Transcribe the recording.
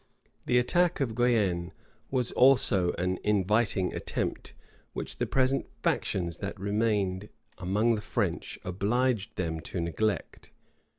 [*] The attack of Guienne was also an inviting attempt, which the present factions that prevailed among the French obliged them to neglect.